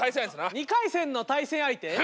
２回戦の対戦相手？